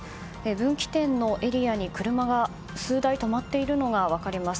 分岐点のエリアに車が数台止まっているのが分かります。